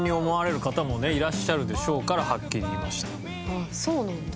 あっそうなんだ。